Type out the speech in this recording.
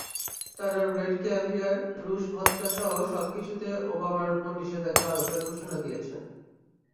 তাঁরা red caviar, রুশ ভদকাসহ সবকিছুতে ওবামার ওপর নিষেধাজ্ঞা আরোপের ঘোষণা দিয়েছেন।